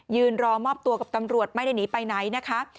รอมอบตัวกับตำรวจไม่ได้หนีไปไหนนะคะ